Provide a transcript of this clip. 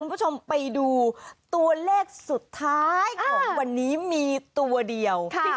คุณผู้ชมไปดูตัวเลขสุดท้ายของวันนี้มีตัวเดียว